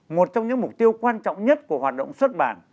một trong những mục tiêu quan trọng nhất của hoạt động xuất bản